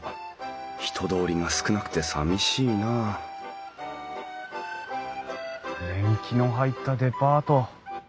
人通りが少なくてさみしいなあ年季の入ったデパート。